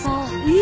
え！